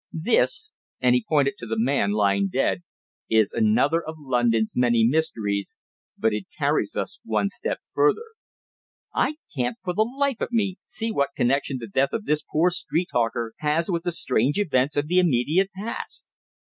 This," and he pointed to the man lying dead, "is another of London's many mysteries, but it carries us one step further." "I can't, for the life of me, see what connection the death of this poor street hawker has with the strange events of the immediate past."